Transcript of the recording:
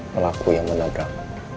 pelaku yang menabrak